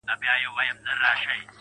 ورځم د خپل تور سوي زړه په تماشې وځم~